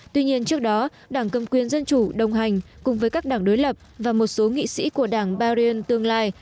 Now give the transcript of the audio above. tuy nhiên trước đó đảng cầm quyền dân chủ đồng hành cùng với các đảng đối lập và một số nghị sĩ của đảng barion tương lai